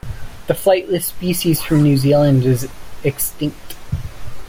A flightless species from New Zealand is extinct.